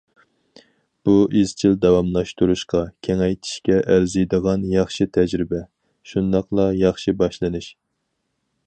بۇ ئىزچىل داۋاملاشتۇرۇشقا، كېڭەيتىشكە ئەرزىيدىغان ياخشى تەجرىبە، شۇنداقلا ياخشى باشلىنىش.